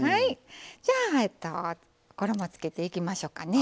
じゃあえっと衣をつけていきましょうかね。